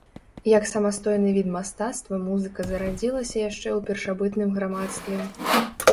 Як самастойны від мастацтва музыка зарадзілася яшчэ ў першабытным грамадстве.